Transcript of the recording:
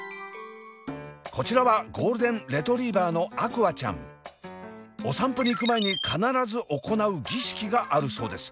こちらはお散歩に行く前に必ず行う儀式があるそうです。